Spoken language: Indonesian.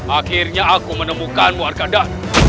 akhirnya aku menemukanmu arkadar